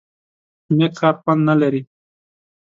_نېک کار خوند نه لري؟